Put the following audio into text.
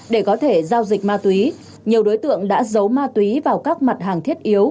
để có thể giao dịch ma túy nhiều đối tượng đã giấu ma túy vào các mặt hàng thiết yếu